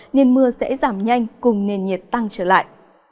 nên mưa sẽ giảm nhanh cùng nền nhiệt tăng trở lại